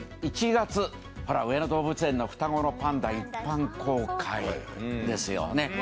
１月上野動物園の双子のパンダ一般公開ですよね。